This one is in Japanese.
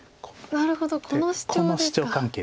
なるほどこのシチョウですか。